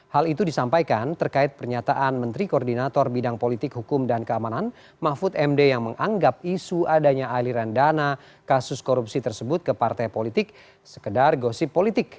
hal itu disampaikan terkait pernyataan menteri koordinator bidang politik hukum dan keamanan mahfud md yang menganggap isu adanya aliran dana kasus korupsi tersebut ke partai politik sekedar gosip politik